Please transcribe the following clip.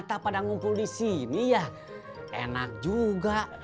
tapi yang diajak mbak doang lo kagak